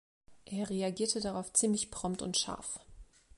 Er reagierte darauf ziemlich prompt und scharf.